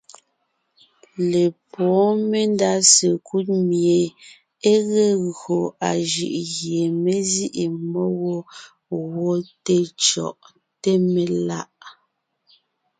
Lepwóon mendá sekúd mie é ge gÿo a jʉʼ gie mé zîʼi mmó wó gwɔ té cyɔ̀ʼ, té melà’.